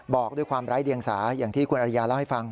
บอกด้วยความไร้เดียงสาอย่างที่คุณอริยาเล่าให้ฟัง